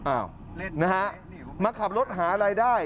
อ้าวนะฮะมาขับรถหารายได้